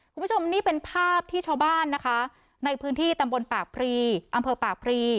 คุณผู้ชมนี่เป็นภาพที่ชาวบ้านนะคะในพื้นที่ตำบลปากพรีอำเภอปากพรี